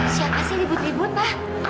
siapa sih ribut ribut lah